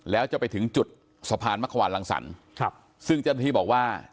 แล้วจะไปถึงจุดสะพานมะขวานรังสรรค์ซึ่งเจ้าหน้าที่บอกว่า